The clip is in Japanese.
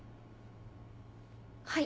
はい。